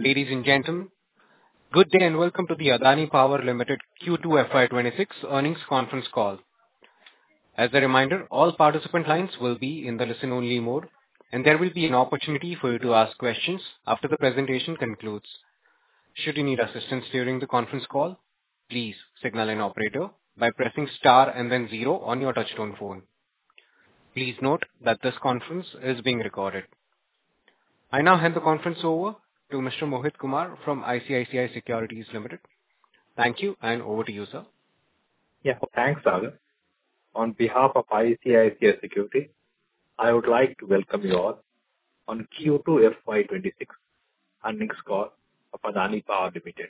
Ladies and gentlemen, good day and welcome to the Adani Power Limited Q2 FY 2026 earnings conference call. As a reminder, all participant lines will be in the listen-only mode, and there will be an opportunity for you to ask questions after the presentation concludes. Should you need assistance during the conference call, please signal an operator by pressing star and then zero on your touch-tone phone. Please note that this conference is being recorded. I now hand the conference over to Mr. Mohit Kumar from ICICI Securities Limited. Thank you, and over to you, sir. Yeah, thanks, Sagar. On behalf of ICICI Securities, I would like to welcome you all on Q2 FY 2026 earnings call of Adani Power Limited.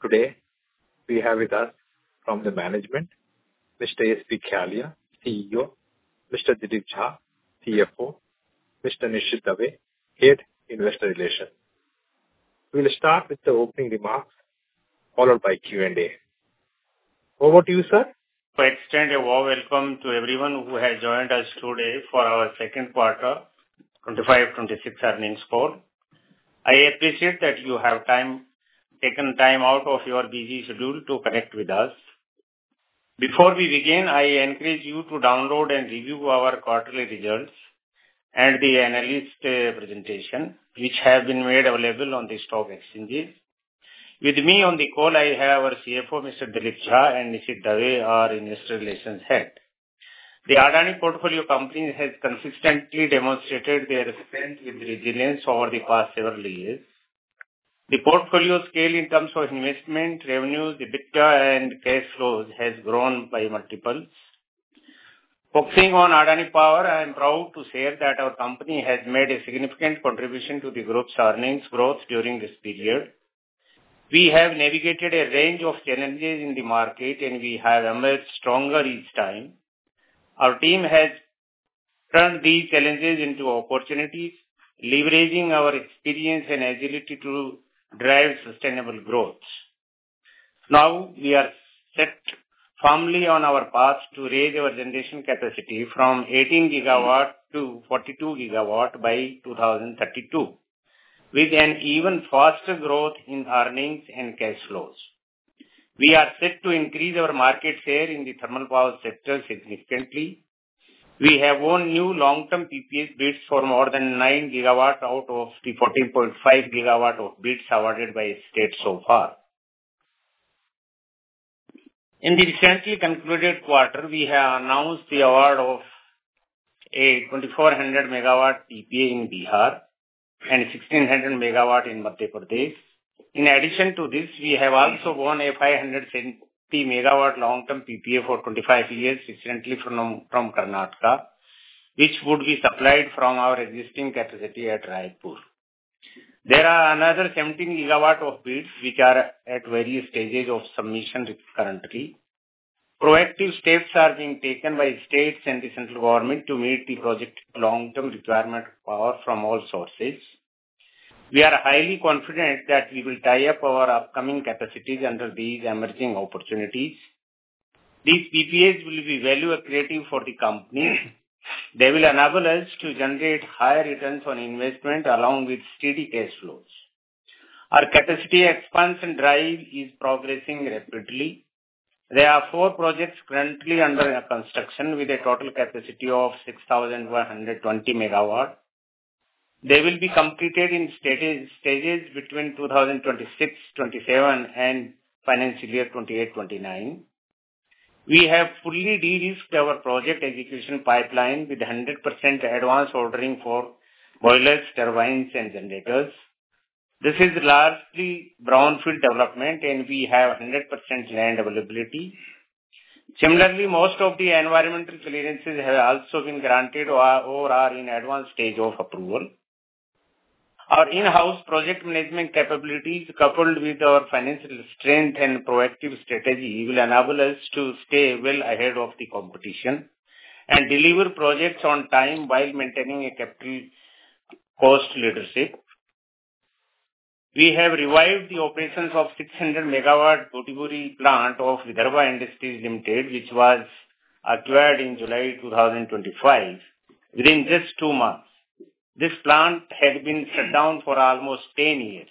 Today, we have with us, from the management, Mr. S. B. Khyalia, CEO; Mr. Dilip Jha, CFO; Mr. Nishit Dave, Head Investor Relations. We'll start with the opening remarks, followed by Q&A. Over to you, sir. Extend a warm welcome to everyone who has joined us today for our second quarter 2025-2026 earnings call. I appreciate that you have taken time out of your busy schedule to connect with us. Before we begin, I encourage you to download and review our quarterly results and the analyst presentation, which have been made available on the stock exchanges. With me on the call, I have our CFO, Mr. Dilip Jha, and Nishit Dave, our Investor Relations Head. The Adani portfolio company has consistently demonstrated their strength with resilience over the past several years. The portfolio scale in terms of investment revenues, EBITDA, and cash flows has grown by multiples. Focusing on Adani Power, I am proud to say that our company has made a significant contribution to the group's earnings growth during this period. We have navigated a range of challenges in the market, and we have emerged stronger each time. Our team has turned these challenges into opportunities, leveraging our experience and agility to drive sustainable growth. Now, we are set firmly on our path to raise our generation capacity from 18 GW to 42 GW by 2032, with an even faster growth in earnings and cash flows. We are set to increase our market share in the thermal power sector significantly. We have won new long-term PPA bids for more than nine GW out of the 14.5 GW of bids awarded by the state so far. In the recently concluded quarter, we have announced the award of a 2,400 MW PPA in Bihar and 1,600 MW in Madhya Pradesh. In addition to this, we have also won a 570 MW long-term PPA for 25 years recently from Karnataka, which would be supplied from our existing capacity at Raipur. There are another 17 GW of bids which are at various stages of submission currently. Proactive steps are being taken by states and the central government to meet the project's long-term requirement of power from all sources. We are highly confident that we will tie up our upcoming capacities under these emerging opportunities. These PPAs will be value-accretive for the company. They will enable us to generate higher returns on investment along with steady cash flows. Our capacity expansion drive is progressing rapidly. There are four projects currently under construction with a total capacity of 6,120 MW. They will be completed in stages between 2026-2027 and financial year 2028-2029. We have fully de-risked our project execution pipeline with 100% advance ordering for boilers, turbines, and generators. This is largely brownfield development, and we have 100% land availability. Similarly, most of the environmental clearances have also been granted or are in the advanced stage of approval. Our in-house project management capabilities, coupled with our financial strength and proactive strategy, will enable us to stay well ahead of the competition and deliver projects on time while maintaining a capital cost leadership. We have revived the operations of the 600 MW Butibori plant of Vidarbha Industries Limited, which was acquired in July 2025, within just two months. This plant had been shut down for almost 10 years.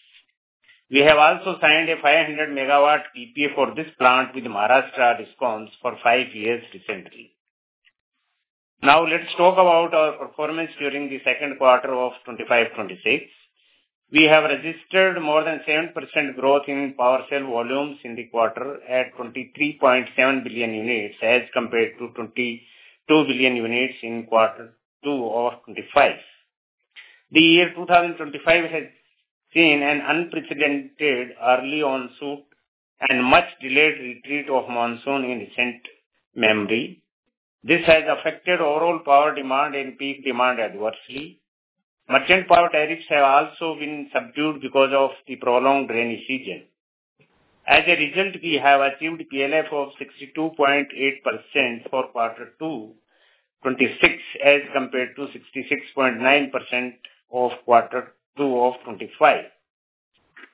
We have also signed a 500 MW PPA for this plant with Maharashtra DISCOM for five years recently. Now, let's talk about our performance during the second quarter of 2025-2026. We have registered more than 7% growth in power sale volumes in the quarter at 23.7 billion units as compared to 22 billion units in quarter two of 2025. The year 2025 has seen an unprecedented early onset and much-delayed retreat of monsoon in recent memory. This has affected overall power demand and peak demand adversely. Merchant power tariffs have also been subdued because of the prolonged rainy season. As a result, we have achieved a PLF of 62.8% for quarter two of 2026 as compared to 66.9% of quarter two of 2025.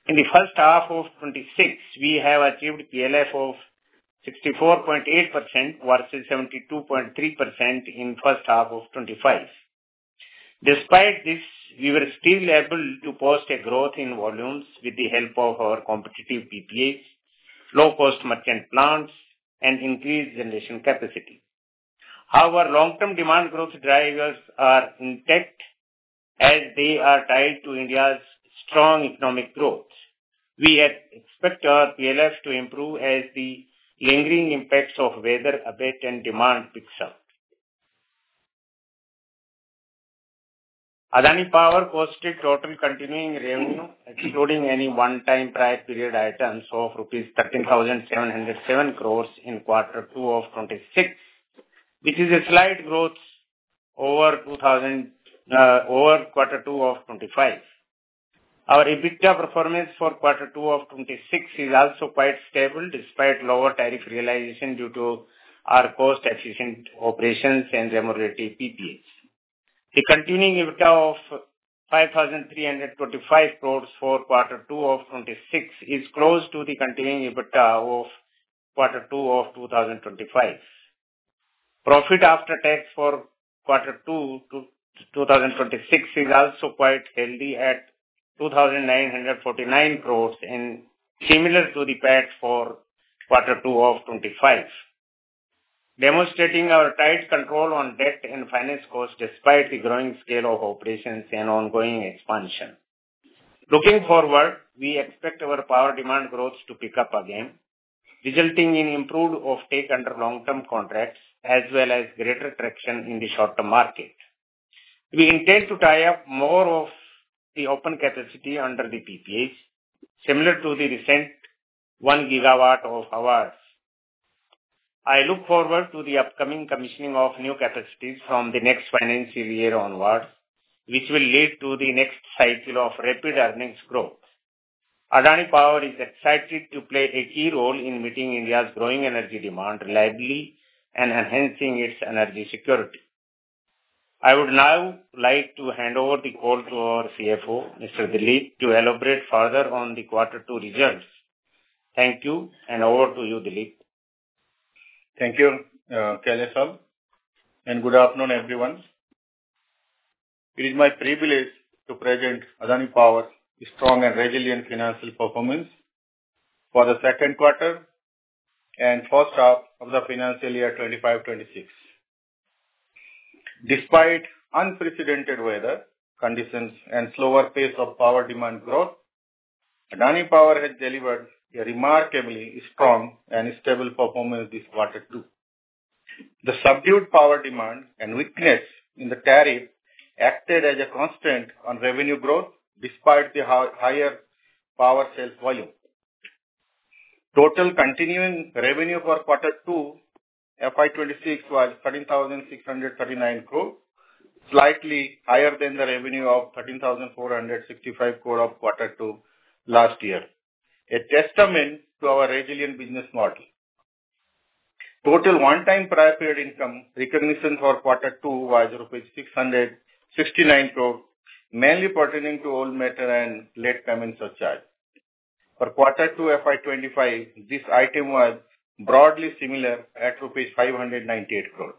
In the first half of 2026, we have achieved a PLF of 64.8% versus 72.3% in the first half of 2025. Despite this, we were still able to post a growth in volumes with the help of our competitive PPAs, low-cost merchant plants, and increased generation capacity. However, long-term demand growth drivers are intact as they are tied to India's strong economic growth. We expect our PLF to improve as the lingering impacts of weather abate and demand picks up. Adani Power posted total continuing revenue, excluding any one-time prior period items, of rupees 13,707 crores in quarter two of 2026, which is a slight growth over quarter two of 2025. Our EBITDA performance for quarter two of 2026 is also quite stable despite lower tariff realization due to our cost-efficient operations and remunerative PPAs. The continuing EBITDA of 5,325 crores for quarter two of 2026 is close to the continuing EBITDA of quarter two of 2025. Profit after tax for quarter two 2026 is also quite healthy at 2,949 crores and similar to the PAT for quarter two of 2025, demonstrating our tight control on debt and finance costs despite the growing scale of operations and ongoing expansion. Looking forward, we expect our power demand growth to pick up again, resulting in improved offtake under long-term contracts as well as greater traction in the short-term market. We intend to tie up more of the open capacity under the PPAs, similar to the recent one GW of ours. I look forward to the upcoming commissioning of new capacities from the next financial year onward, which will lead to the next cycle of rapid earnings growth. Adani Power is excited to play a key role in meeting India's growing energy demand reliably and enhancing its energy security. I would now like to hand over the call to our CFO, Mr. Dilip, to elaborate further on the quarter two results. Thank you, and over to you, Dilip. Thank you, Khyalia, and good afternoon, everyone. It is my privilege to present Adani Power's strong and resilient financial performance for the second quarter and first half of the financial year 2025-2026. Despite unprecedented weather conditions and slower pace of power demand growth, Adani Power has delivered a remarkably strong and stable performance this quarter two. The subdued power demand and weakness in the tariff acted as a constraint on revenue growth despite the higher power sale volume. Total continuing revenue for quarter two FY 2026 was 13,639 crores, slightly higher than the revenue of 13,465 crores of quarter two last year, a testament to our resilient business model. Total one-time prior period income recognition for quarter two was INR 669 crores, mainly pertaining to old matter and late payment surcharge. For quarter two FY 2025, this item was broadly similar at rupees 598 crores.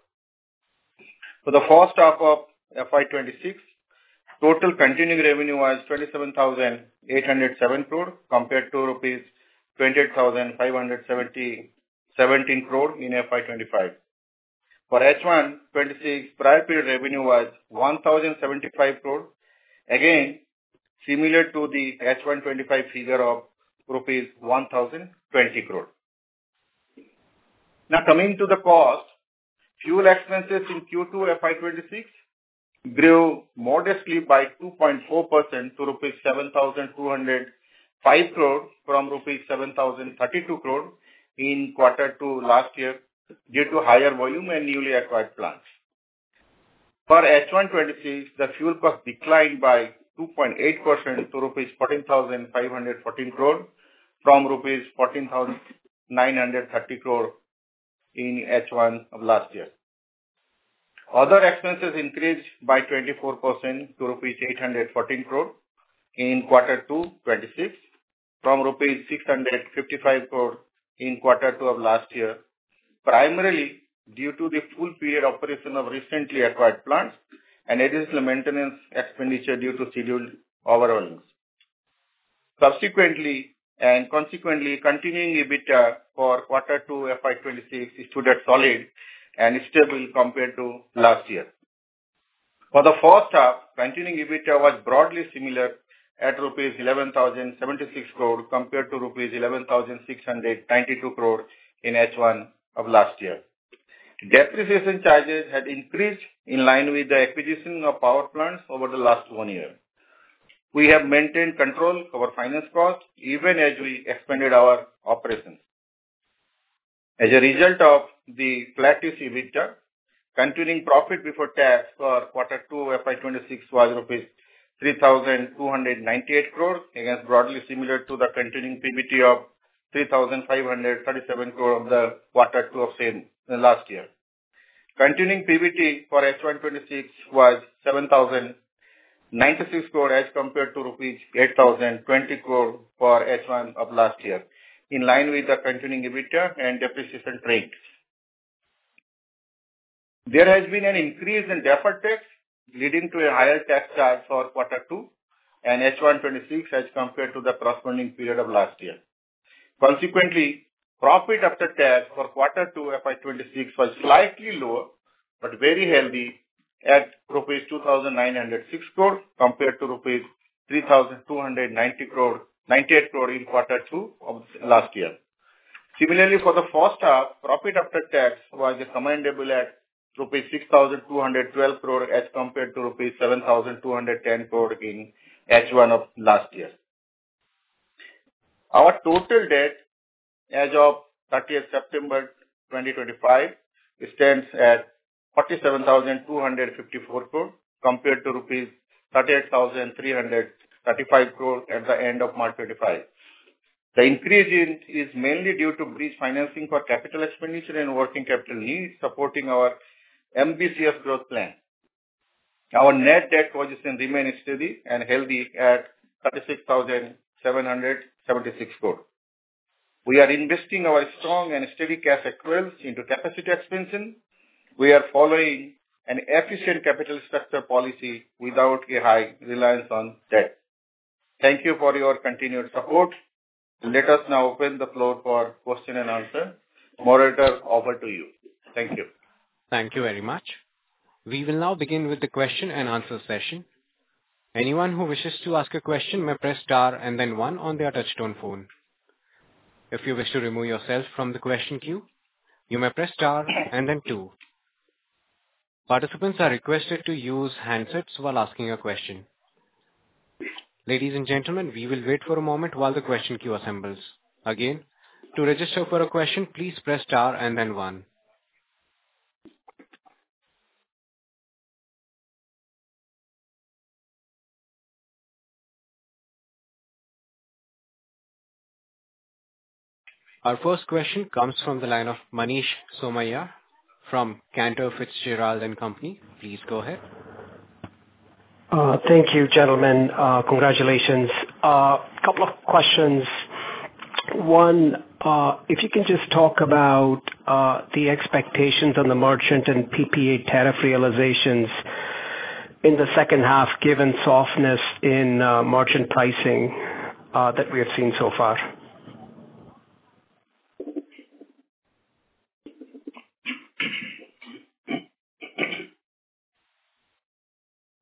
For the first half of FY 2026, total continuing revenue was 27,807 crores compared to rupees 28,577 crores in FY 2025. For H1 2026, prior period revenue was 1,075 crores, again similar to the H1 2025 figure of rupees 1,020 crores. Now, coming to the cost, fuel expenses in Q2 FY 2026 grew modestly by 2.4% to rupees 7,205 crores from rupees 7,032 crores in quarter two last year due to higher volume and newly acquired plants. For H1 2026, the fuel cost declined by 2.8% to rupees 14,514 crores from rupees 14,930 crores in H1 of last year. Other expenses increased by 24% to rupees 814 crores in quarter two 2026 from rupees 655 crores in quarter two of last year, primarily due to the full period operation of recently acquired plants and additional maintenance expenditure due to scheduled overruns. Subsequently and consequently, continuing EBITDA for quarter two FY 2026 stood solid and stable compared to last year. For the first half, continuing EBITDA was broadly similar at rupees 11,076 crores compared to rupees 11,692 crores in H1 of last year. Depreciation charges had increased in line with the acquisition of power plants over the last one year. We have maintained control of our finance costs even as we expanded our operations. As a result of the flat EBITDA, continuing profit before tax for quarter two FY 2026 was rupees 3,298 crores against broadly similar to the continuing PBT of 3,537 crores of the quarter two of last year. Continuing PBT for H1 2026 was 7,096 crores as compared to rupees 8,020 crores for H1 of last year, in line with the continuing EBITDA and depreciation rates. There has been an increase in deferred tax, leading to a higher tax charge for quarter two and H1 2026 as compared to the corresponding period of last year. Consequently, profit after tax for quarter two FY 2026 was slightly lower but very healthy at rupees 2,906 crores compared to rupees 3,298 crores in quarter two of last year. Similarly, for the first half, profit after tax was commendable at rupees 6,212 crores as compared to rupees 7,210 crores in H1 of last year. Our total debt as of 30 September 2025 stands at 47,254 crores compared to rupees 38,335 crores at the end of March 2025. The increase is mainly due to bridge financing for capital expenditure and working capital needs supporting our ambitious growth plan. Our net debt position remains steady and healthy at 36,776 crores. We are investing our strong and steady cash equivalents into capacity expansion. We are following an efficient capital structure policy without a high reliance on debt. Thank you for your continued support. Let us now open the floor for question and answer. Moderator, over to you. Thank you. Thank you very much. We will now begin with the question and answer session. Anyone who wishes to ask a question may press star and then one on their touchtone phone. If you wish to remove yourself from the question queue, you may press star and then two. Participants are requested to use handsets while asking a question. Ladies and gentlemen, we will wait for a moment while the question queue assembles. Again, to register for a question, please press star and then one. Our first question comes from the line of Manish Somaiya from Cantor Fitzgerald & Company. Please go ahead. Thank you, gentlemen. Congratulations. A couple of questions. One, if you can just talk about the expectations on the merchant and PPA tariff realizations in the second half, given softness in merchant pricing that we have seen so far?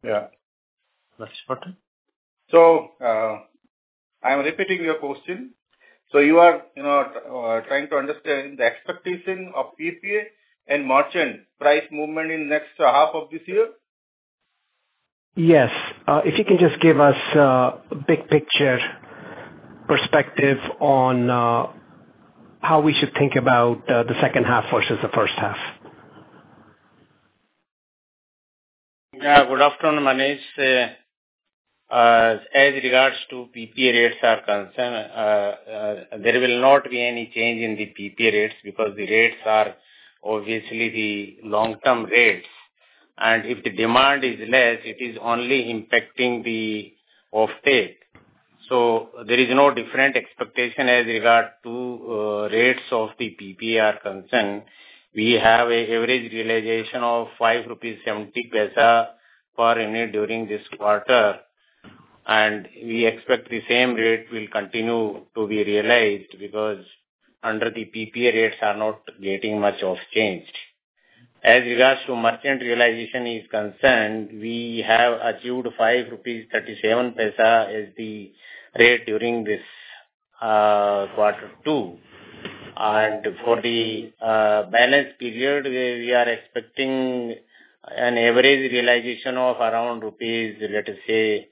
Yeah. So I'm repeating your question. So you are trying to understand the expectation of PPA and merchant price movement in the next half of this year? Yes. If you can just give us a big picture perspective on how we should think about the second half versus the first half? Yeah. Good afternoon, Manish. As regards to PPA rates are concerned, there will not be any change in the PPA rates because the rates are obviously the long-term rates. And if the demand is less, it is only impacting the offtake. So there is no different expectation as regard to rates of the PPA are concerned. We have an average realization of 5.70 rupees per unit during this quarter, and we expect the same rate will continue to be realized because under the PPA rates are not getting much of change. As regards to merchant realization is concerned, we have achieved 5.37 rupees as the rate during this quarter two. And for the balance period, we are expecting an average realization of around, let us say,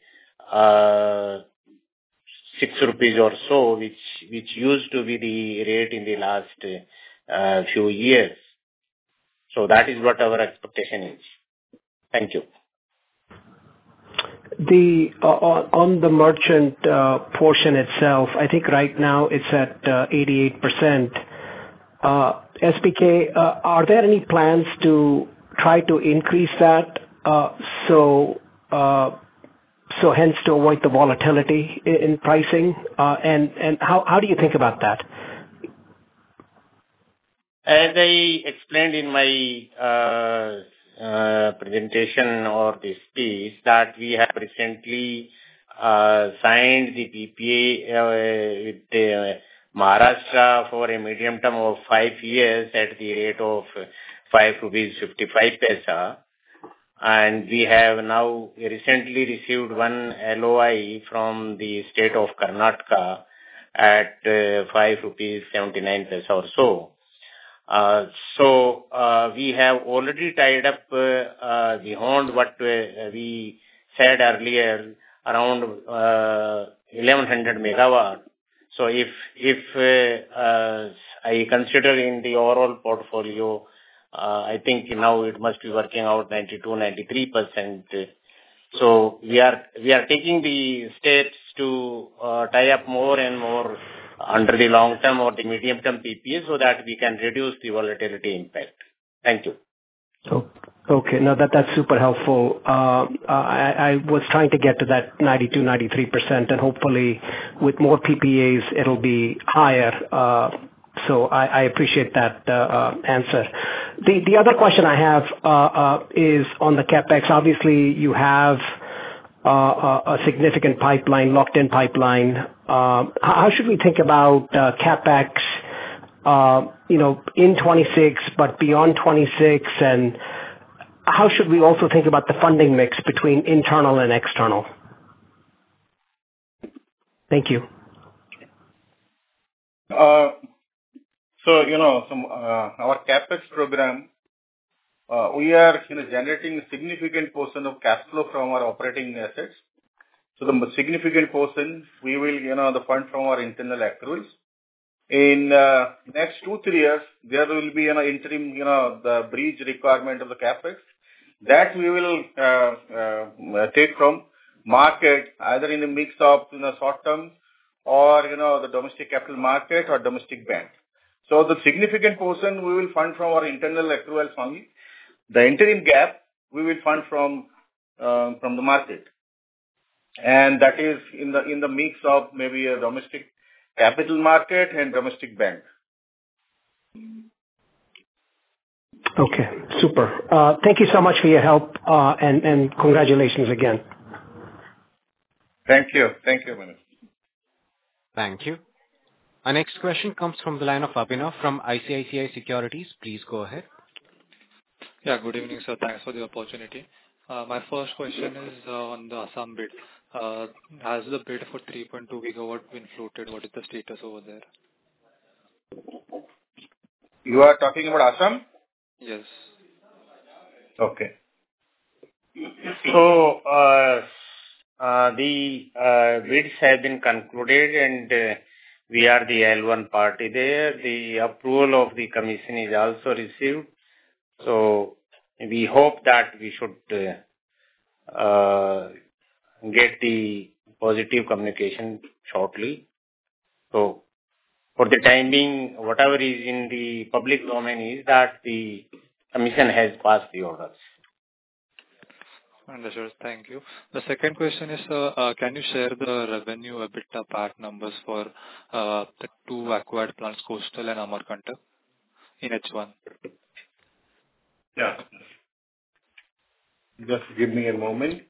6 rupees or so, which used to be the rate in the last few years. So that is what our expectation is. Thank you. On the merchant portion itself, I think right now it's at 88%. SBK, are there any plans to try to increase that, so hence to avoid the volatility in pricing, and how do you think about that? As I explained in my presentation or this piece, that we have recently signed the PPA with Maharashtra for a medium term of five years at the rate of 5.55 rupees, and we have now recently received one LOI from the state of Karnataka at 5.79 rupees or so. So we have already tied up beyond what we said earlier, around 1,100 MW, so if I consider in the overall portfolio, I think now it must be working out 92%-93%. So we are taking the steps to tie up more and more under the long-term or the medium-term PPA so that we can reduce the volatility impact. Thank you. Okay. No, that's super helpful. I was trying to get to that 92%-93%, and hopefully, with more PPAs, it'll be higher. So I appreciate that answer. The other question I have is on the CapEx. Obviously, you have a significant pipeline, locked-in pipeline. How should we think about CapEx in 2026 but beyond 2026? And how should we also think about the funding mix between internal and external? Thank you. Our CapEx program, we are generating a significant portion of cash flow from our operating assets. The significant portion, we will fund from our internal accruals. In the next two, three years, there will be interim bridge requirement of the CapEx that we will take from market, either in the mix of short-term or the domestic capital market or domestic bank. The significant portion, we will fund from our internal accrual fund. The interim gap, we will fund from the market. That is in the mix of maybe a domestic capital market and domestic bank. Okay. Super. Thank you so much for your help, and congratulations again. Thank you. Thank you, Manish. Thank you. Our next question comes from the line of Abhinav from ICICI Securities. Please go ahead. Yeah. Good evening, sir. Thanks for the opportunity. My first question is on the Assam bid. Has the bid for 3.2 GW been floated? What is the status over there? You are talking about Assam? Yes. Okay. So the bids have been concluded, and we are the L1 party there. The approval of the commission is also received. So we hope that we should get the positive communication shortly. So for the time being, whatever is in the public domain is that the commission has passed the orders. Understood. Thank you. The second question is, can you share the revenue, EBITDA, PAT numbers for the two acquired plants, Coastal and Amarkantak in H1? Yeah. Just give me a moment.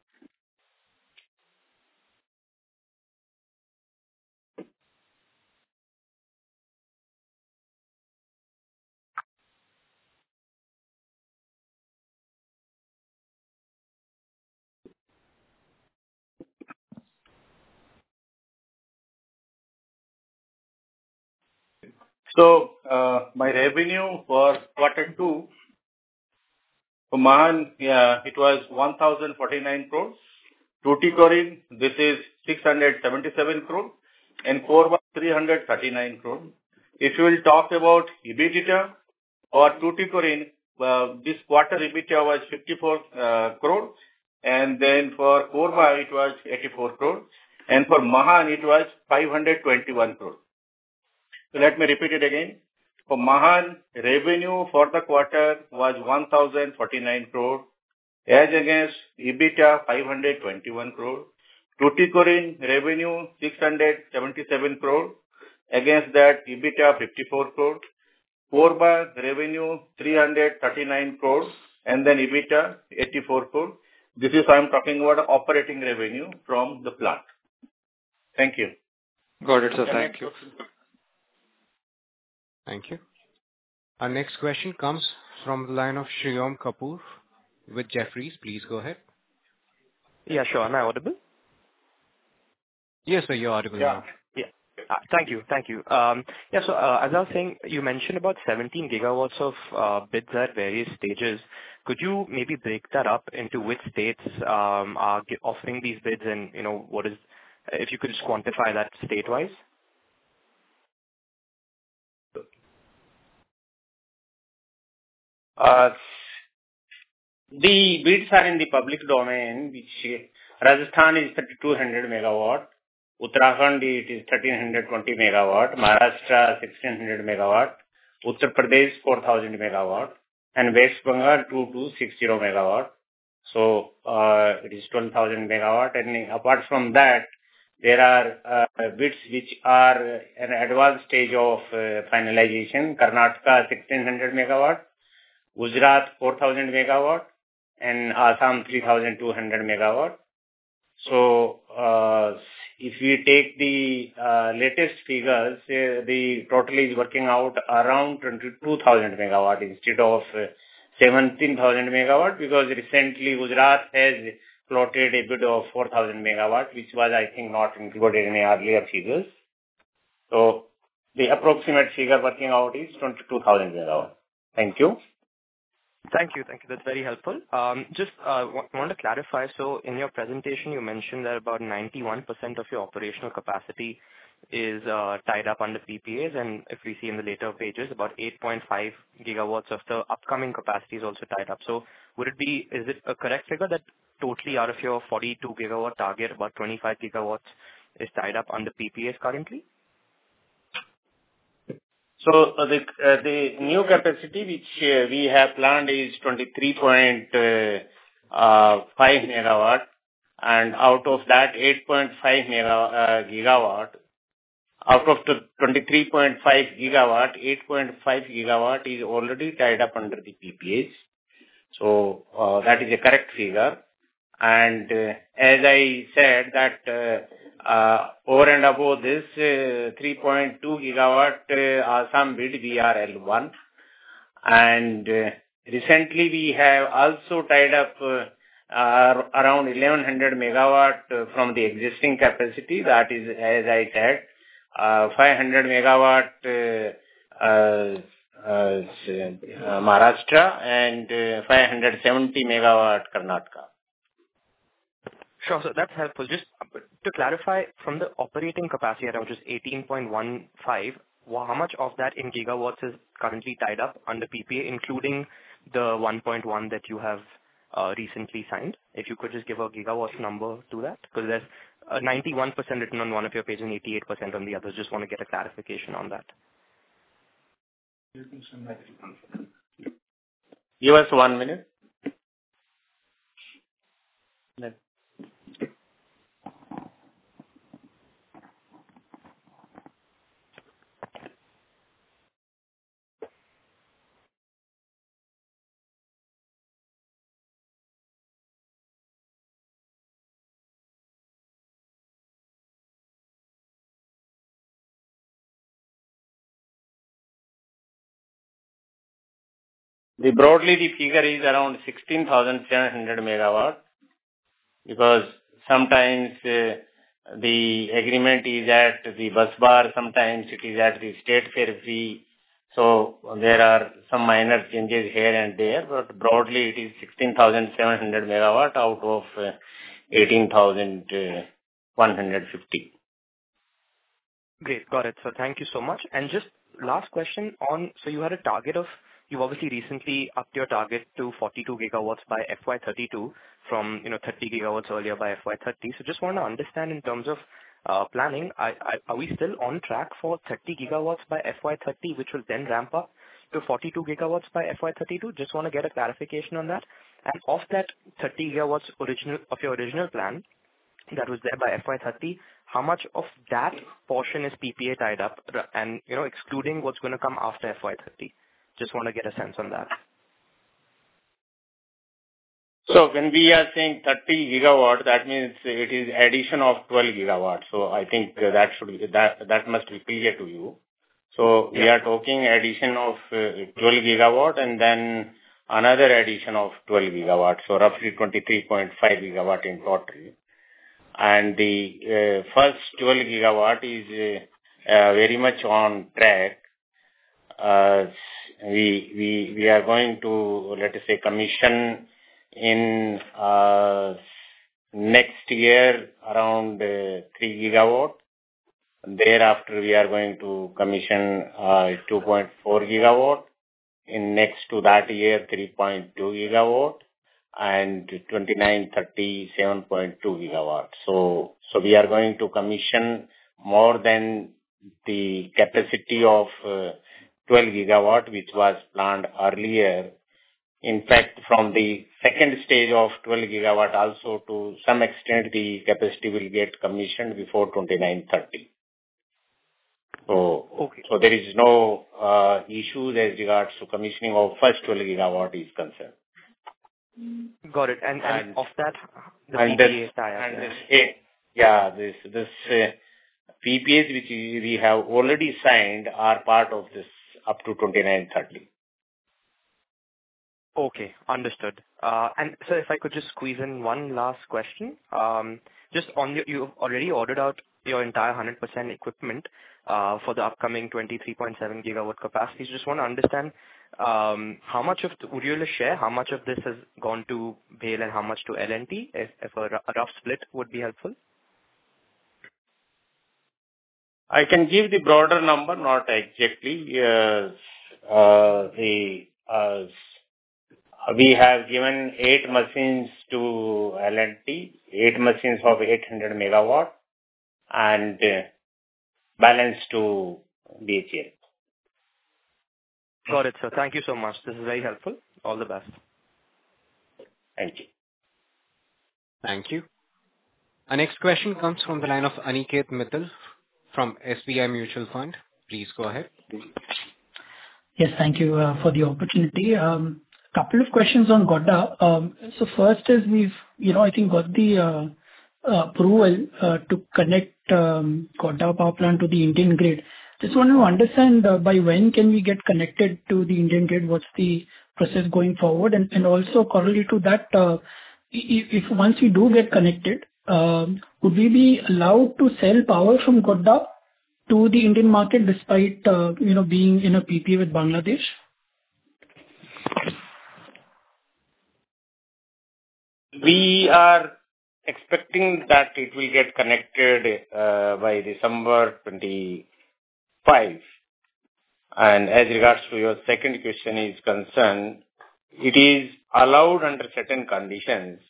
So my revenue for quarter two, for Mahan, yeah, it was 1,049 crores. Tuticorin, this is 677 crores. And Korba, 339 crores. If you will talk about EBITDA for Tuticorin, this quarter EBITDA was 54 crores. And then for Korba, it was 84 crores. And for Mahan, it was 521 crores. So let me repeat it again. For Mahan, revenue for the quarter was 1,049 crores, as against EBITDA, 521 crores. Tuticorin, revenue 677 crores. Against that, EBITDA, 54 crores. Korba, revenue 339 crores. And then EBITDA, 84 crores. This is, I'm talking about operating revenue from the plant. Thank you. Got it. So thank you. Thank you. Our next question comes from the line of Shirom Kapur with Jefferies. Please go ahead. Yeah. Sharon, are you audible? Yes, sir. You're audible. Yeah. Thank you. Yeah. So as I was saying, you mentioned about 17 GW of bids at various stages. Could you maybe break that up into which states are offering these bids and what is, if you could just quantify that statewise? The bids are in the public domain, which Rajasthan is 200 MW. Uttarakhand, it is 1,320 MW. Maharashtra, 1,600 MW. Uttar Pradesh, 4,000 MW. And West Bengal, 2,260 MW. So it is 12,000 MW. And apart from that, there are bids which are in advanced stage of finalization. Karnataka, 1,600 MW. Gujarat, 4,000 MW. And Assam, 3,200 MW. So if we take the latest figures, the total is working out around 22,000 MW instead of 17,000 MW because recently, Gujarat has floated a bid of 4,000 MW, which was, I think, not included in the earlier figures. So the approximate figure working out is 22,000 MW. Thank you. Thank you. Thank you. That's very helpful. Just want to clarify. So in your presentation, you mentioned that about 91% of your operational capacity is tied up under PPAs. And if we see in the later pages, about 8.5 GW of the upcoming capacity is also tied up. So is it a correct figure that totally out of your 42 GW target, about 25 GW is tied up under PPAs currently? So the new capacity which we have planned is 23.5 GW. And out of that, 8.5 GW out of the 23.5 GW, 8.5 GW is already tied up under the PPAs. So that is a correct figure. And as I said, that over and above this, 3.2 GW Assam bid, we are L1. And recently, we have also tied up around 1,100 MW from the existing capacity. That is, as I said, 500 MW Maharashtra and 570 MW Karnataka. Sure. So that's helpful. Just to clarify, from the operating capacity at just 18,150 MW, how much of that in gigawatt is currently tied up under PPA, including the 1.1 GW that you have recently signed? If you could just give a gigawatt number to that because there's 91% written on one of your pages and 88% on the others. Just want to get a clarification on that. Give us one minute. Broadly, the figure is around 16,700 MW because sometimes the agreement is at the bus bar. Sometimes it is at the state periphery. So there are some minor changes here and there. But broadly, it is 16,700 MW out of 18,150 MW. Great. Got it. So thank you so much. And just last question on so you had a target of you've obviously recently upped your target to 42 GW by FY 2032 from 30 GW earlier by FY 2030. So just want to understand in terms of planning, are we still on track for 30 GW by FY 2030, which will then ramp up to 42 GW by FY 2032? Just want to get a clarification on that. And of that 30 GW of your original plan that was there by FY 2030, how much of that portion is PPA tied up? And excluding what's going to come after FY 2030, just want to get a sense on that. So when we are saying 30 GW, that means it is addition of 12 GW. So I think that must be clear to you. So we are talking addition of 12 GW and then another addition of 12 GW. So roughly 23.5 GW in total. And the first 12 GW is very much on track. We are going to, let us say, commission in next year around three GW. Thereafter, we are going to commission 2.4 GW. In next to that year, 3.2 GW and 2029-2030, 7.2 GW. So we are going to commission more than the capacity of 12 GW, which was planned earlier. In fact, from the second stage of 12 GW, also to some extent, the capacity will get commissioned before 2029-2030. So there is no issue as regards to commissioning of first 12 GW is concerned. Got it and of that. And then. The PPAs tied up. Yeah. These PPAs which we have already signed are part of this up to 2029-2030. Okay. Understood. And so if I could just squeeze in one last question. Just on your – you've already ordered out your entire 100% equipment for the upcoming 23.7 GW capacity. So just want to understand how much of this would you share, how much of this has gone to BHEL and how much to L&T? If a rough split would be helpful. I can give the broader number, not exactly. We have given eight machines to L&T, eight machines of 800 MW, and balance to BHEL. Got it, sir. Thank you so much. This is very helpful. All the best. Thank you. Thank you. Our next question comes from the line of Aniket Mittal from SBI Mutual Fund. Please go ahead. Yes. Thank you for the opportunity. A couple of questions on Godda. So first is, we've, I think, got the approval to connect Godda power plant to the Indian grid. Just want to understand by when can we get connected to the Indian grid, what's the process going forward? And also correlate to that, if once we do get connected, would we be allowed to sell power from Godda to the Indian market despite being in a PPA with Bangladesh? We are expecting that it will get connected by December 2025. And as regards to your second question is concerned, it is allowed under certain conditions.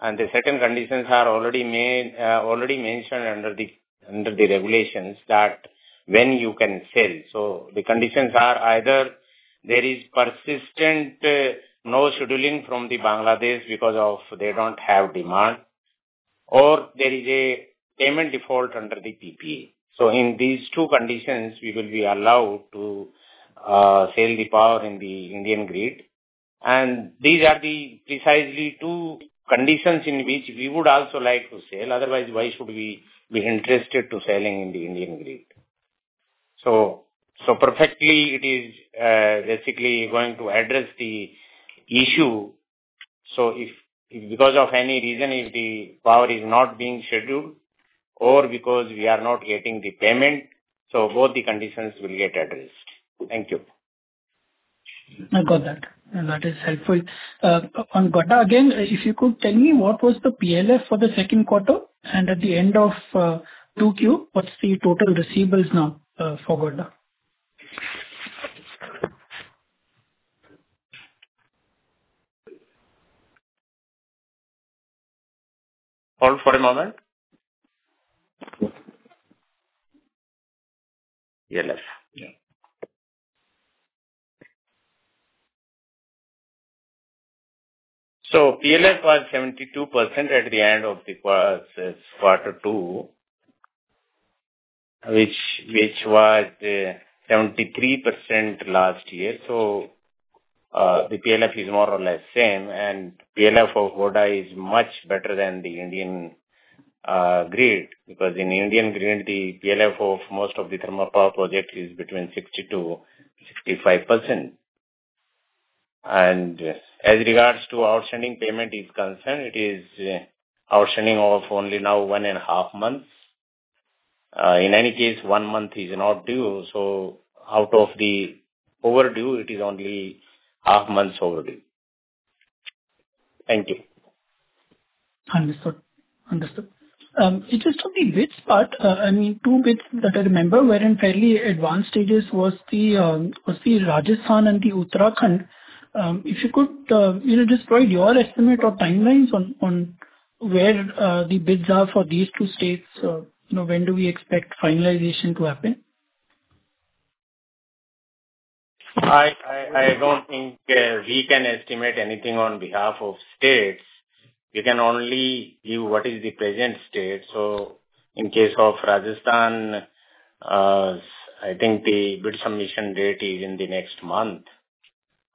And the certain conditions are already mentioned under the regulations that when you can sell. So the conditions are either there is persistent no scheduling from Bangladesh because they don't have demand, or there is a payment default under the PPA. So in these two conditions, we will be allowed to sell the power in the Indian grid. And these are the precisely two conditions in which we would also like to sell. Otherwise, why should we be interested in selling in the Indian grid? So perfectly, it is basically going to address the issue. So if because of any reason, if the power is not being scheduled or because we are not getting the payment, so both the conditions will get addressed. Thank you. I got that. That is helpful. On Godda, again, if you could tell me what was the PLF for the second quarter? And at the end of 2Q, what's the total receivables now for Godda? Hold for a moment. PLF. So PLF was 72% at the end of the quarter two, which was 73% last year. So the PLF is more or less same. And PLF of Godda is much better than the Indian grid because in Indian grid, the PLF of most of the thermal power projects is between 60%-65%. And as regards to outstanding payment is concerned, it is outstanding of only now one and a half months. In any case, one month is not due. So out of the overdue, it is only half months overdue. Thank you. Understood. It just took the bids part. I mean, two bids that I remember were in fairly advanced stages was the Rajasthan and the Uttarakhand. If you could just provide your estimate or timelines on where the bids are for these two states, when do we expect finalization to happen? I don't think we can estimate anything on behalf of states. We can only give what is the present state. So in case of Rajasthan, I think the bid submission date is in the next month.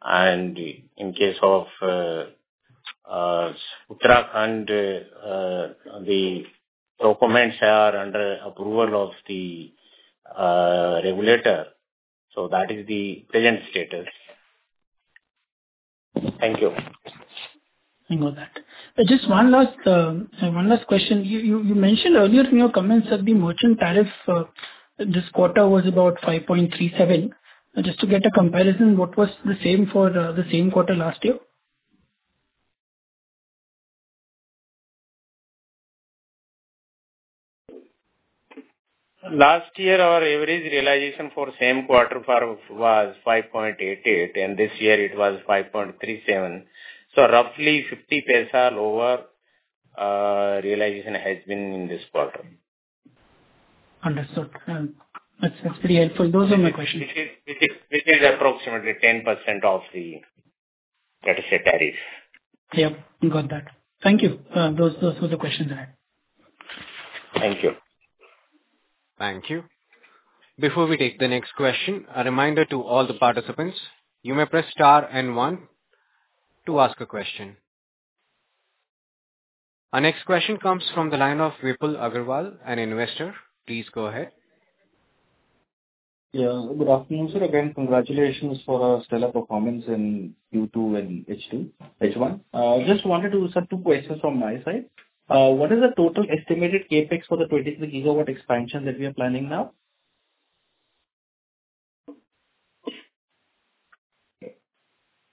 And in case of Uttarakhand, the documents are under approval of the regulator. So that is the present status. Thank you. I got that. Just one last question. You mentioned earlier in your comments that the merchant tariff this quarter was about 5.37. Just to get a comparison, what was the same for the same quarter last year? Last year, our average realization for same quarter was 5.88. This year, it was 5.37. So, roughly 50 paisa lower realization has been in this quarter. Understood. That's very helpful. Those are my questions. Which is approximately 10% of the, let us say, tariff. Yep. Got that. Thank you. Those were the questions I had. Thank you. Thank you. Before we take the next question, a reminder to all the participants, you may press star and one to ask a question. Our next question comes from the line of Vipul Agrawal, an investor. Please go ahead. Yeah. Good afternoon, sir. Again, congratulations for our stellar performance in Q2 and H1. Just wanted to ask two questions from my side. What is the total estimated CapEx for the 23 GW expansion that we are planning now?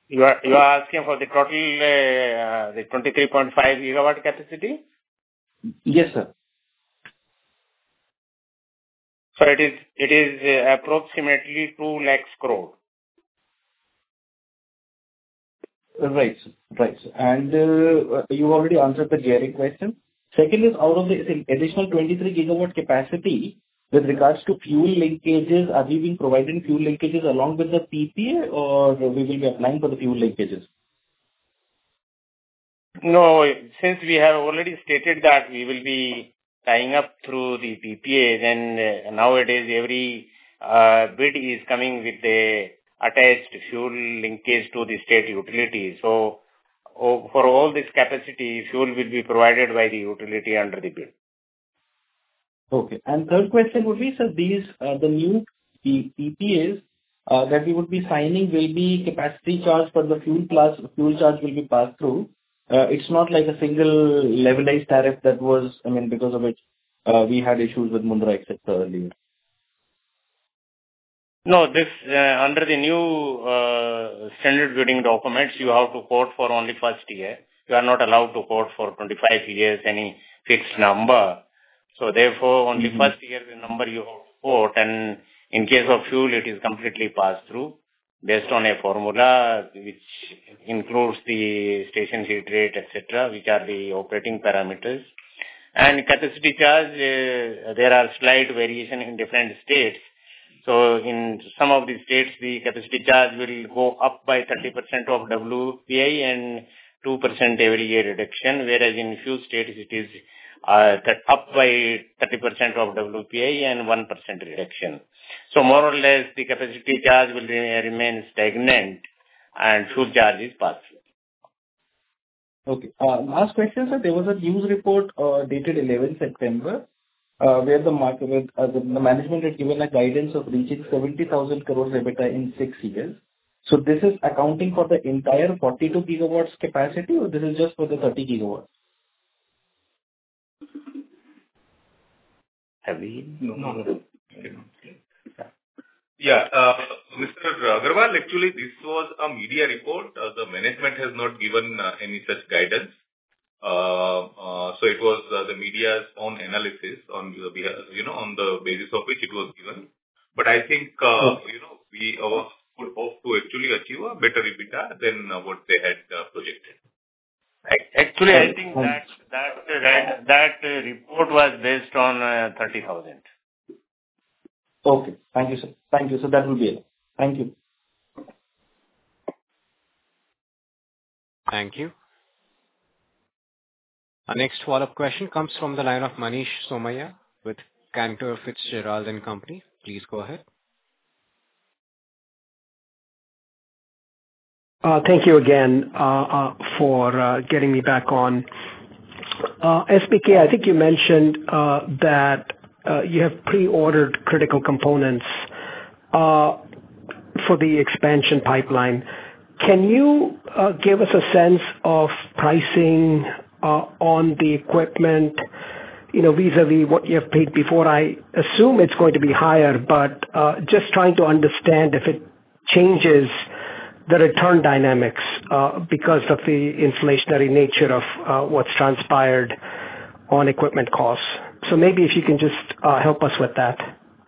You are asking for the total 23.5 GW capacity? Yes, sir. It is approximately INR two lakhs crore. Right. Right. And you already answered the gearing question. Second is, out of the additional 23 GW capacity, with regards to fuel linkages, are we being provided fuel linkages along with the PPA, or we will be applying for the fuel linkages? No. Since we have already stated that we will be tying up through the PPA, then nowadays, every bid is coming with the attached fuel linkage to the state utility. So for all this capacity, fuel will be provided by the utility under the bid. Okay. And third question would be, so the new PPAs that we would be signing will be capacity charge for the fuel plus fuel charge will be passed through. It's not like a single levelized tariff that was, I mean, because of it, we had issues with Mundra, etc., earlier. No. Under the new standard bidding documents, you have to quote for only first year. You are not allowed to quote for 25 years any fixed number. So therefore, only first year the number you quote. And in case of fuel, it is completely passed through based on a formula which includes the escalation rate, etc., which are the operating parameters. And capacity charge, there are slight variations in different states. So in some of the states, the capacity charge will go up by 30% of PPA and 2% every year reduction, whereas in a few states, it is up by 30% of PPA and 1% reduction. So more or less, the capacity charge will remain stagnant and fuel charge is passed through. Okay. Last question, sir. There was a news report dated 11 September where the management had given a guidance of reaching 70,000 crores EBITDA in six years. So this is accounting for the entire 42 GW capacity, or this is just for the 30 GW? Yeah. Mr. Agrawal, actually, this was a media report. The management has not given any such guidance. So it was the media's own analysis on the basis of which it was given. But I think we would hope to actually achieve a better EBITDA than what they had projected. Actually, I think that report was based on 30,000. Okay. Thank you, sir. Thank you. So that will be enough. Thank you. Thank you. Our next follow-up question comes from the line of Manish Somaiya with Cantor Fitzgerald & Company. Please go ahead. Thank you again for getting me back on. SBK, I think you mentioned that you have pre-ordered critical components for the expansion pipeline. Can you give us a sense of pricing on the equipment vis-à-vis what you have paid before? I assume it's going to be higher, but just trying to understand if it changes the return dynamics because of the inflationary nature of what's transpired on equipment costs. So maybe if you can just help us with that.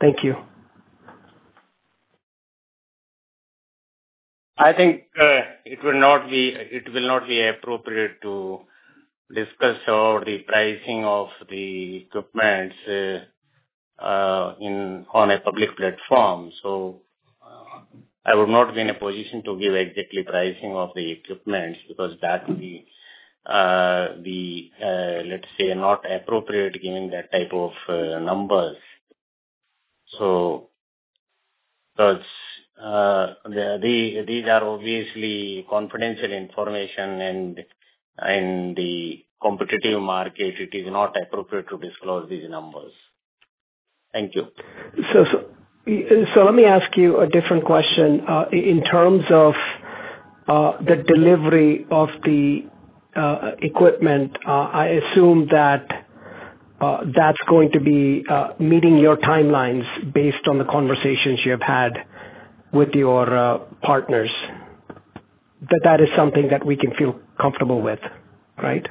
Thank you. I think it will not be appropriate to discuss the pricing of the equipment on a public platform. So I would not be in a position to give exactly pricing of the equipment because that would be, let's say, not appropriate giving that type of numbers. So these are obviously confidential information, and in the competitive market, it is not appropriate to disclose these numbers. Thank you. Let me ask you a different question. In terms of the delivery of the equipment, I assume that that's going to be meeting your timelines based on the conversations you have had with your partners. That is something that we can feel comfortable with, right?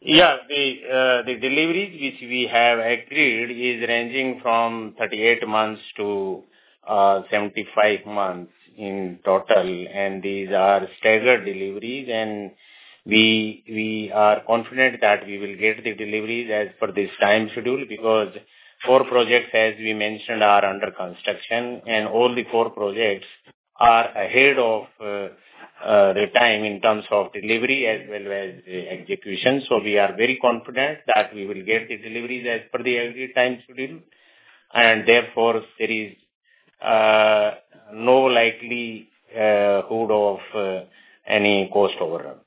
Yeah. The deliveries which we have agreed are ranging from 38 months to 75 months in total. And these are staggered deliveries. And we are confident that we will get the deliveries as per this time schedule because four projects, as we mentioned, are under construction. And all the four projects are ahead of the time in terms of delivery as well as execution. So we are very confident that we will get the deliveries as per the agreed time schedule. And therefore, there is no likelihood of any cost overrun.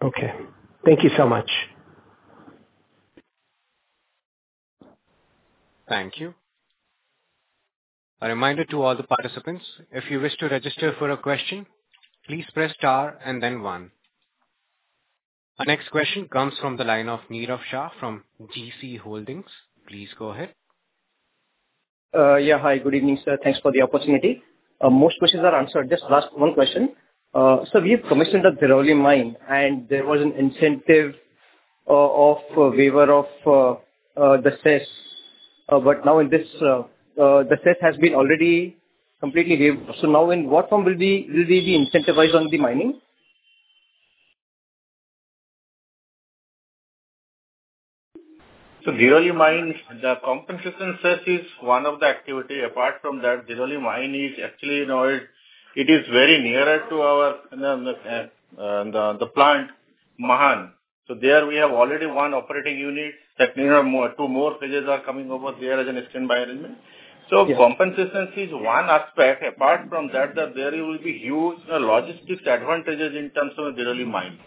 Okay. Thank you so much. Thank you. A reminder to all the participants, if you wish to register for a question, please press star and then one. Our next question comes from the line of Nirav Shah from GeeCee Holdings. Please go ahead. Yeah. Hi. Good evening, sir. Thanks for the opportunity. Most questions are answered. Just last one question. So we have commissioned a Dhirauli mine, and there was an incentive of waiver of the cess. But now, the cess has been already completely waived. So now, in what form will we be incentivized on the mining? Dhirauli mine, the compensation cess is one of the activities. Apart from that, Dhirauli mine is actually very near to the plant, Mahan. There, we have already one operating unit. Two more phases are coming over there as an extended management. Compensation is one aspect. Apart from that, there will be huge logistics advantages in terms of the Dhirauli mine.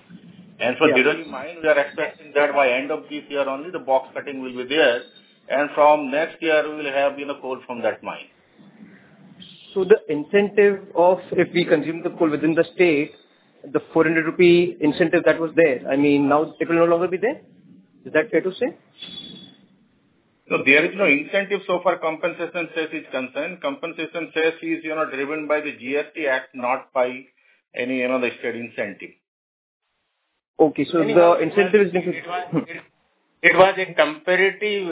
For Dhirauli mine, we are expecting that by end of this year only, the box cutting will be there. From next year, we will have coal from that mine. So the incentive of if we consume the coal within the state, the 400 rupee incentive that was there, I mean, now it will no longer be there? Is that fair to say? So there is no incentive so far compensation cess is concerned. Compensation cess is driven by the GST Act, not by any other state incentive. Okay. So the incentive is different? It was a comparative,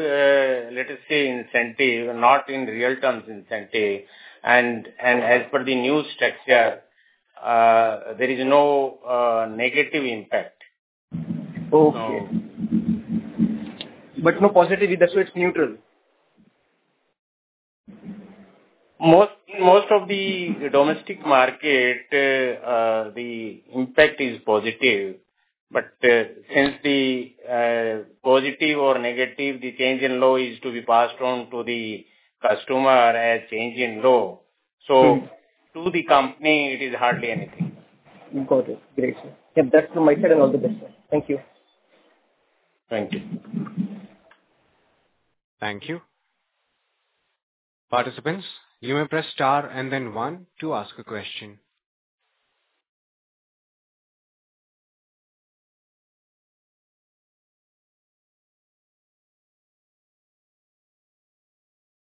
let us say, incentive, not in real terms incentive. And as per the new structure, there is no negative impact. Okay, but no positive, that's why it's neutral? Most of the domestic market, the impact is positive. But since the positive or negative, the change in law is to be passed on to the customer as change in law. So to the company, it is hardly anything. Got it. Great, sir. Yep. That's from my side and all the best, sir. Thank you. Thank you. Thank you. Participants, you may press star and then one to ask a question.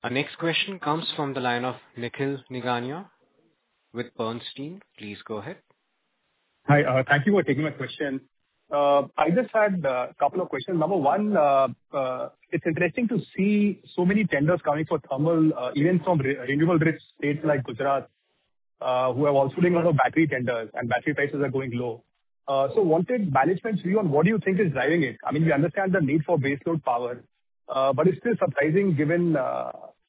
Our next question comes from the line of Nikhil Nigania with Bernstein. Please go ahead. Hi. Thank you for taking my question. I just had a couple of questions. Number one, it's interesting to see so many tenders coming for thermal, even from renewable-rich states like Gujarat, who are also doing a lot of battery tenders, and battery prices are going low. So wanted management's view on what do you think is driving it? I mean, we understand the need for baseload power, but it's still surprising given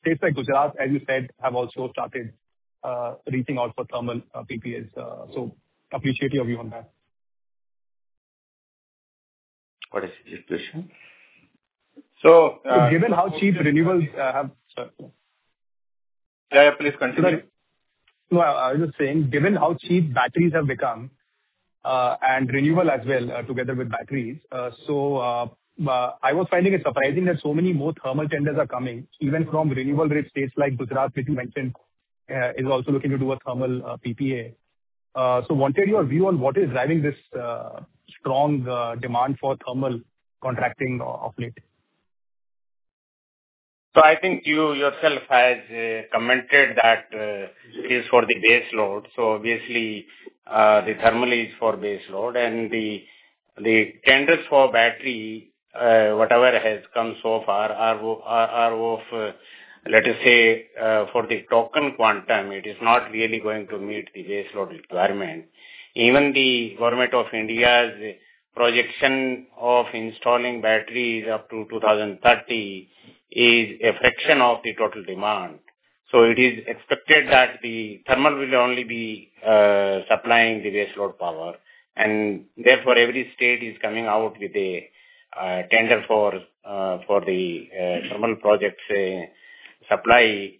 states like Gujarat, as you said, have also started reaching out for thermal PPAs. So appreciate your view on that. What is your question? So given how cheap renewables have Yeah, yeah. Please continue. No, I was just saying, given how cheap batteries have become and renewable as well together with batteries, so I was finding it surprising that so many more thermal tenders are coming, even from renewable-rich states like Gujarat, which you mentioned, is also looking to do a thermal PPA. So wanted your view on what is driving this strong demand for thermal contracting of late. So I think you yourself have commented that it is for the baseload. So obviously, the thermal is for baseload. And the tenders for battery, whatever has come so far, are of, let us say, for the token quantum. It is not really going to meet the baseload requirement. Even the Government of India's projection of installing batteries up to 2030 is a fraction of the total demand. So it is expected that the thermal will only be supplying the baseload power. And therefore, every state is coming out with a tender for the thermal projects supply.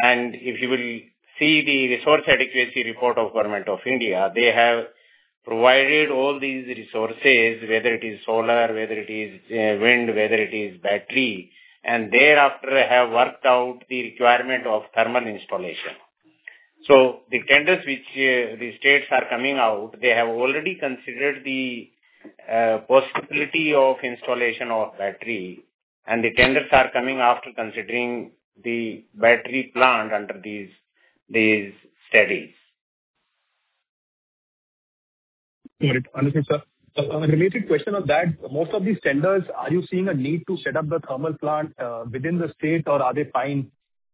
And if you will see the resource adequacy report of Government of India, they have provided all these resources, whether it is solar, whether it is wind, whether it is battery, and thereafter have worked out the requirement of thermal installation. So the tenders which the states are coming out, they have already considered the possibility of installation of battery. And the tenders are coming after considering the battery plant under these studies. Got it. Understood, sir. A related question on that, most of these tenders, are you seeing a need to set up the thermal plant within the state, or are they fine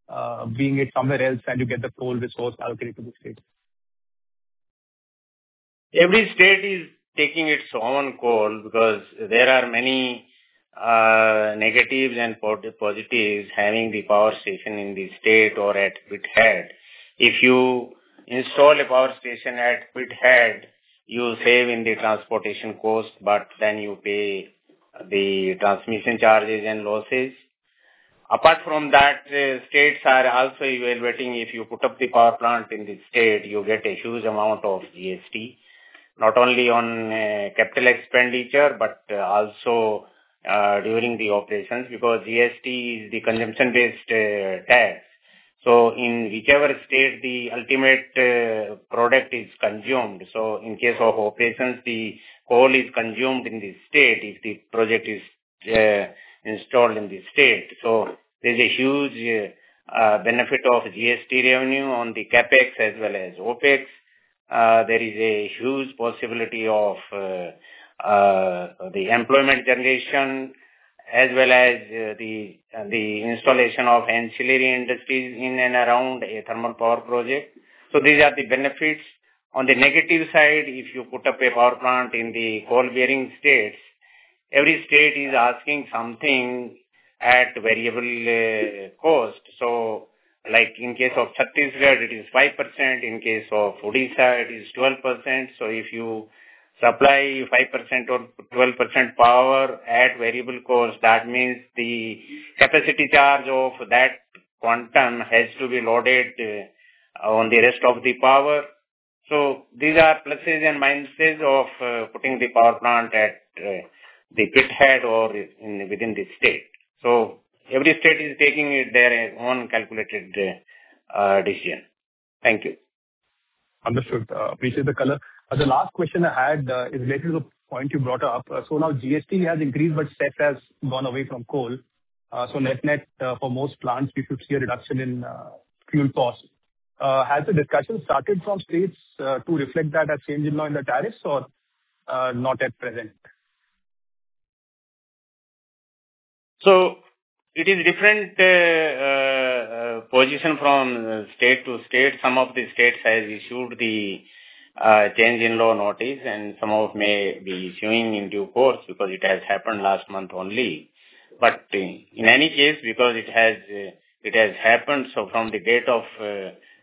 with it somewhere else and you get the coal resource allocated to the state? Every state is taking its own coal because there are many negatives and positives having the power station in the state or at pithead. If you install a power station at pithead, you save in the transportation cost, but then you pay the transmission charges and losses. Apart from that, states are also evaluating if you put up the power plant in the state. You get a huge amount of GST, not only on capital expenditure but also during the operations because GST is the consumption-based tax. So in whichever state the ultimate product is consumed. So in case of operations, the coal is consumed in the state if the project is installed in the state. So there's a huge benefit of GST revenue on the CapEx as well as OpEx. There is a huge possibility of the employment generation as well as the installation of ancillary industries in and around a thermal power project. So these are the benefits. On the negative side, if you put up a power plant in the coal-bearing states, every state is asking something at variable cost. So in case of Chhattisgarh, it is 5%. In case of Odisha, it is 12%. So if you supply 5% or 12% power at variable cost, that means the capacity charge of that quantum has to be loaded on the rest of the power. So these are pluses and minuses of putting the power plant at the pithead or within the state. So every state is taking their own calculated decision. Thank you. Understood. Appreciate the color. The last question I had is related to the point you brought up. So now GST has increased, but cess has gone away from coal. So net-net for most plants, we should see a reduction in fuel cost. Has the discussion started from states to reflect that as change in law in the tariffs, or not at present? So it is different position from state to state. Some of the states have issued the change in law notice, and some may be issuing in due course because it has happened last month only. But in any case, because it has happened, so from the date of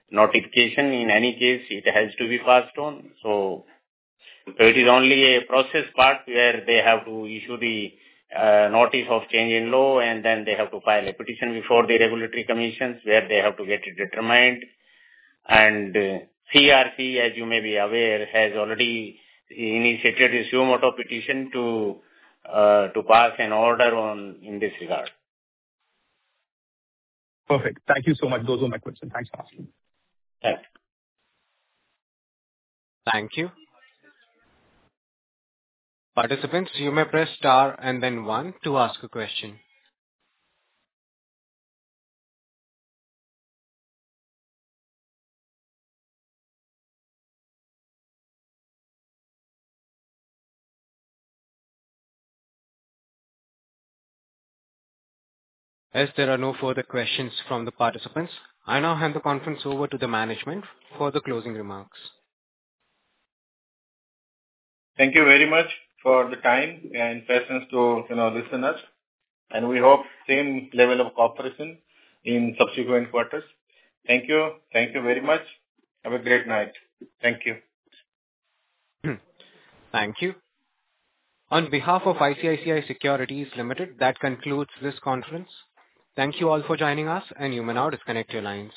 notification, in any case, it has to be passed on. So it is only a process part where they have to issue the notice of change in law, and then they have to file a petition before the regulatory commissions where they have to get it determined. And CERC, as you may be aware, has already initiated a few suo motu petitions to pass an order in this regard. Perfect. Thank you so much. Those were my questions. Thanks for answering. Thanks. Thank you. Participants, you may press star and then one to ask a question. As there are no further questions from the participants, I now hand the conference over to the management for the closing remarks. Thank you very much for the time and patience to listen to us. We hope the same level of cooperation in subsequent quarters. Thank you. Thank you very much. Have a great night. Thank you. Thank you. On behalf of ICICI Securities Limited, that concludes this conference. Thank you all for joining us, and you may now disconnect your lines.